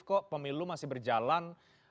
kok pemilu masih berjalan